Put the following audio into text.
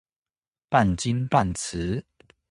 半金半瓷